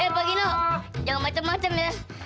eh pak gino jangan macem macem ya